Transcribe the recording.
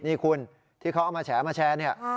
นี่คุณที่เขาเอามาแฉมาแชร์เนี่ย